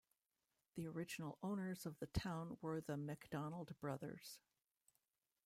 The original owners of the town were the Mcdonald brothers.